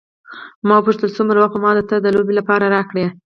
ما وپوښتل څومره وخت به ما ته د لوبې لپاره راکړې.